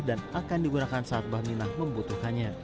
dan akan digunakan saat bahminah membutuhkannya